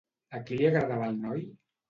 A qui li agradava el noi?